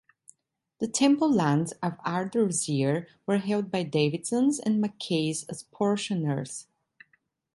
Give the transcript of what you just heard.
The Temple lands of Ardersier were held by Davidsons and Mackays as portioners.